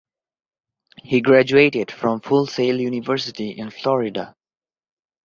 He graduated from Full Sail University in Florida.